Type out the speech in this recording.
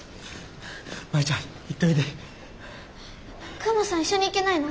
クマさん一緒に行けないの？